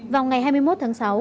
vòng ngày hai mươi một tháng sáu